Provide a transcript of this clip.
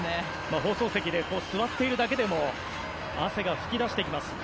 放送席で座っているだけでも汗が噴き出してきます。